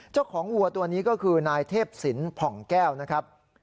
วัวตัวนี้ก็คือนายเทพศิลปผ่องแก้วนะครับ